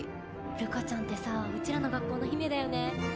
ルカちゃんってさうちらの学校の姫だよね。